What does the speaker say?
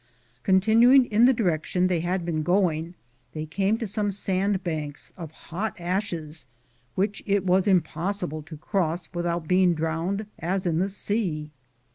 Continuing in the direction they had been going, they came to some sand banks of hot ashes which it was impossible to cross without being drowned as in the sea.